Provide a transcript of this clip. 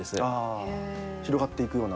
あ広がっていくような。